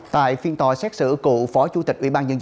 tại phiên tòa xét xử cụ phó chủ tịch ubnd tp hcm